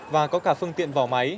và có cả phương tiện vỏ máy